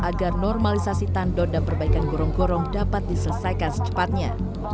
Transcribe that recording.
agar normalisasi tandon dan perbaikan gorong gorong dapat diselesaikan secepatnya